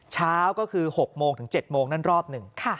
เช้าก็คือ๖๗โมงทั้งรอบหนึ่ง